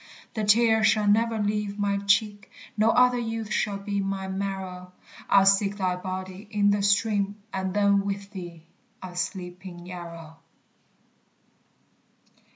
The tear shall never leave my cheek, No other youth shall be my marrow; I'll seek thy body in the stream, And then with thee I'll sleep in Yarrow.